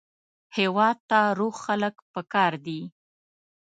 هېواد ته روغ خلک پکار دي